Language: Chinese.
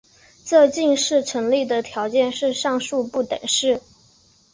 这近似成立的条件是上述不等式。